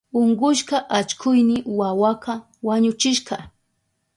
Unkushka allkuyni wawaka wañushka.